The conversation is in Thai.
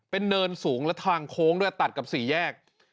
เป็นเนินสูงและทางโค้งด้วยตัดกับสี่แยก